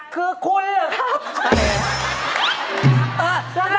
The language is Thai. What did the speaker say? คือคุณหรือครับ